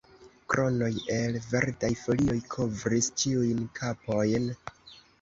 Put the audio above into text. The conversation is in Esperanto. Kronoj el verdaj folioj kovris ĉiujn kapojn.